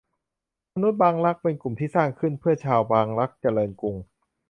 มนุษย์บางรัก เป็นกลุ่มที่สร้างขึ้นเพื่อชาวบางรัก เจริญกรุง